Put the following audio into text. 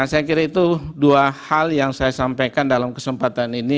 saya kira itu dua hal yang saya sampaikan dalam kesempatan ini